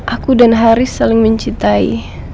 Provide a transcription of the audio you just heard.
aku dan haris saling mencintai